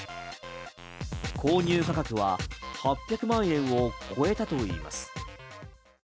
購入価格は８００万円を超えたといいます。